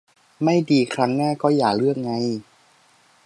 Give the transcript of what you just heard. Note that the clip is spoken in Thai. ไม่ดีครั้งหน้าก็อย่าเลือกไง